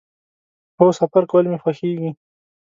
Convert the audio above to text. هو، سفر کول می خوښیږي